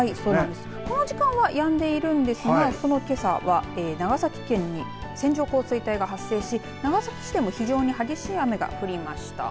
この時間はやんでいるんですが、けさは長崎県に線状降水帯が発生し長崎市でも非常に激しい雨が降りました。